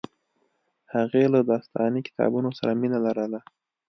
هغې له داستاني کتابونو سره مینه لرله